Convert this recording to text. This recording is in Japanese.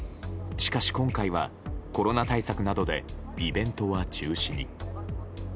しかし今回は、コロナ対策などでイベントは中止に。